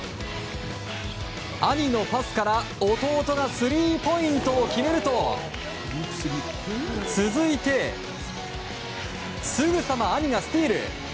兄のパスから弟がスリーポイントを決めると続いてすぐさま兄がスティール！